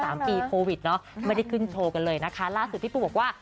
สามปีโควิดเนอะไม่ได้ขึ้นโชว์กันเลยนะคะล่าสุดพี่ปูบอกว่า